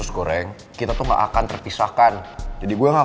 sekarang khusus goreng